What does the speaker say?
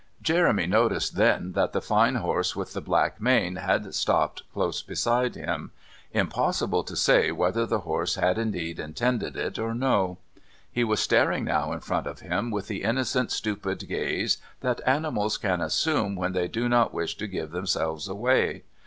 Jeremy noticed then that the fine horse with the black mane had stopped close beside him. Impossible to say whether the horse had intended it or no! He was staring now in front of him with the innocent stupid gaze that animals can assume when they do not wish to give themselves away.